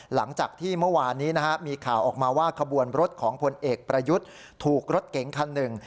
หลังจากที่เมื่อวานนี้มีข่าวออกมาว่าขบวนรถของพลเอกประยุทธ์ถูกรถเก๋งคันหนึ่ง